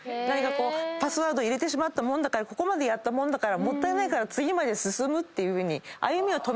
パスワード入れてしまったからここまでやったもんだからもったいないから次まで進むっていうふうに歩みを止めない。